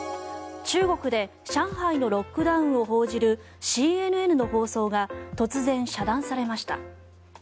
中国で上海のロックダウンを報じるＣＮＮの放送が突然、遮断されました。